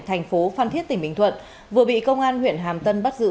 thành phố phan thiết tỉnh bình thuận vừa bị công an huyện hàm tân bắt giữ